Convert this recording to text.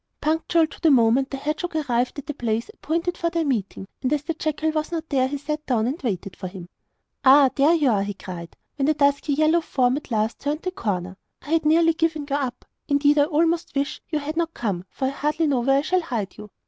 Punctual to the moment the hedgehog arrived at the place appointed for their meeting, and as the jackal was not there he sat down and waited for him. 'Ah, there you are!' he cried, when the dusky yellow form at last turned the corner. 'I had nearly given you up! Indeed, I almost wish you had not come, for I hardly know where I shall hide you.